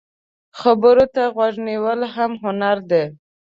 خبرو ته غوږ نیول هم هنر دی